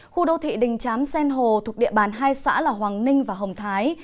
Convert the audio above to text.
khu đô thị đình chám xen hồ thuộc địa bàn hai xã là hoàng ninh và hồng thái